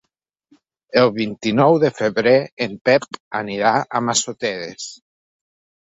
El vint-i-nou de febrer en Pep anirà a Massoteres.